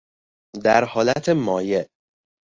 در حالت مایع